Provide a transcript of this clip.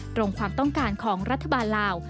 ตรงความต้องการของรัฐบาลลาว